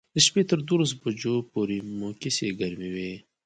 د شپې تر دولس بجو پورې مو کیسې ګرمې وې.